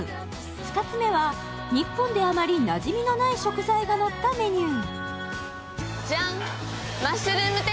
２つ目は、日本であまりなじみのない食材がのったメニュー。